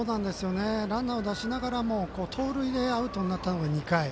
ランナーを出しながらも盗塁でアウトになったのが２回。